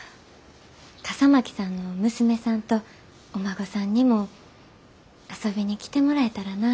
笠巻さんの娘さんとお孫さんにも遊びに来てもらえたらなぁて。